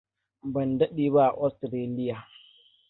Ban dade ba a Ostiraliya.